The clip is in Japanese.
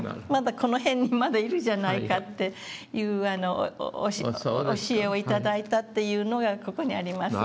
この辺にまだいるじゃないかっていう教えを頂いたっていうのがここにありますの。